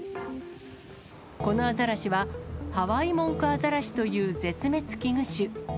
このアザラシは、ハワイモンクアザラシという絶滅危惧種。